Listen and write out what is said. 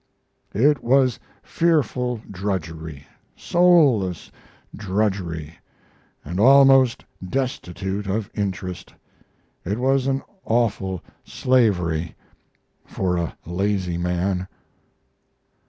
It was fearful drudgery soulless drudgery and almost destitute of interest. It was an awful slavery for a lazy man.